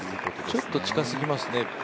ちょっと近すぎますね。